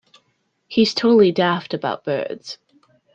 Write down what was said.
He's totally daft about birds.